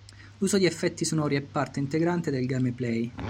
L'uso di effetti sonori è parte integrante del gameplay.